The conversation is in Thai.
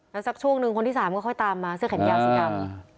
น่ะซักช่วงนึงคนที่สามก็ค่อยตามมาเสื้อขนยาศักดาล